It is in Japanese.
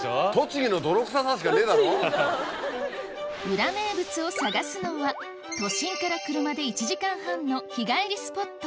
裏名物を探すのは都心から車で１時間半の日帰りスポット